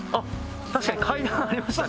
確かに階段ありましたね。